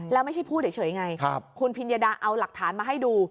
แล้วไม่ใช่พูดเฉยไงคุณพิญญาดาเอาหลักฐานมาให้ดู